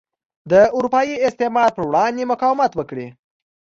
د اروپايي استعمار پر وړاندې مقاومت وکړي.